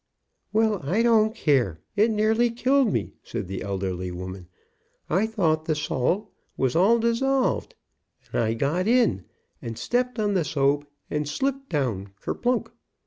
"Well, I don't care, it nearly killed me," said the elderly woman. "I thought the salt was all dissolved, and I got in, and stepped on the soap and slipped down kerplunk.